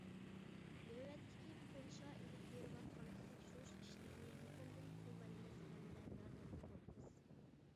نۆۋەتتىكى پولشا ئېلىپ بېرىۋاتقان تەكشۈرۈش ئىشلىرىنى يېقىندىن قوللايمىز ھەمدە ياردەمدە بولىمىز.